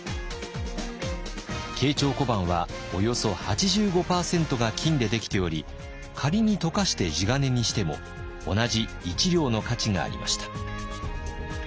慶長小判はおよそ８５％が金でできており仮に溶かして地金にしても同じ１両の価値がありました。